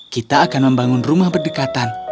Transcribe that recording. kita akan membangun rumah berdekatan